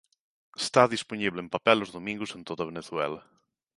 Está dispoñible en papel os domingos en toda Venezuela.